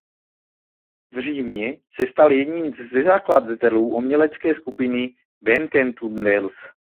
V Římě se stal jedním ze zakladatelů umělecké skupiny Bentvueghels.